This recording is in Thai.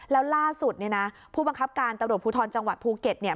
แล้วล่าสุดเนี่ยนะผู้บังคับการตำรวจภูทรจังหวัดภูเก็ตเนี่ย